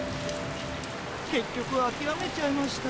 けっきょくあきらめちゃいました。